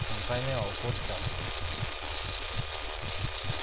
３回目は怒っちゃって。